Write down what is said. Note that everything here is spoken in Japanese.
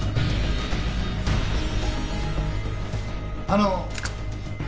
あの。